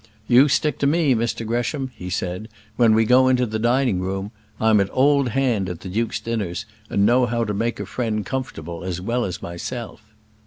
"You stick to me, Mr Gresham," he said, "when we go into the dining room. I'm an old hand at the duke's dinners, and know how to make a friend comfortable as well as myself."